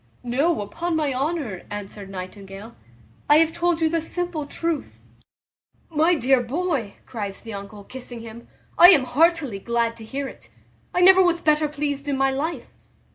"No, upon my honour," answered Nightingale, "I have told you the simple truth." "My dear boy," cries the uncle, kissing him, "I am heartily glad to hear it. I never was better pleased in my life.